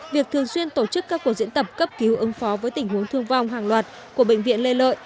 việc thường xuyên tổ chức các cuộc diễn tập cấp cứu ứng phó với tình huống thương vong hàng loạt của bệnh viện lê lợi